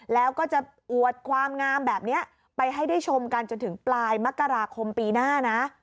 แล้วก็จะอวดความงามแบบนี้ไปให้ได้ชมกันจนถึงปลายมกราคมปีหน้านะ